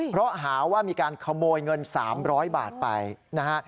เพราะหาว่ามีการขโมยเงิน๓๐๐บาทไปนะฮะ